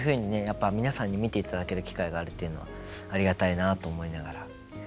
やっぱり皆さんに見ていただける機会があるというのはありがたいなと思いながら。